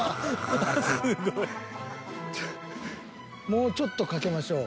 ［もうちょっとかけましょう］